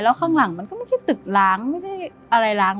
ข้างหลังมันก็ไม่ใช่ตึกล้างไม่ได้อะไรล้าง